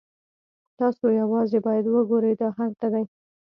تاسو یوازې باید وګورئ دا هلته دی